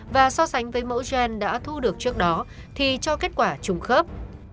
và so sánh với mẫu gen đã thu được trước đó thì cho kết quả trùng khớp